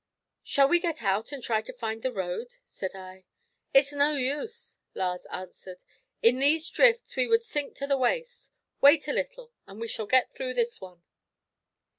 "Shall we get out and try to find the road?" said I. "It's no use," Lars answered. "In these drifts we would sink to the waist. Wait a little, and we shall get through this one."